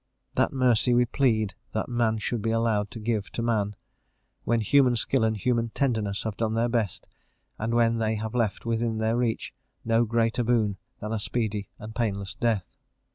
That mercy we plead that man should be allowed to give to man, when human skill and human tenderness have done their best, and when they have left within their reach no greater boon than a speedy and painless death.